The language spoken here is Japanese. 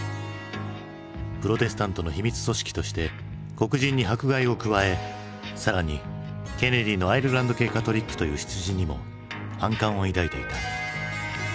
プロテスタントの秘密組織として黒人に迫害を加え更にケネディのアイルランド系カトリックという出自にも反感を抱いていた。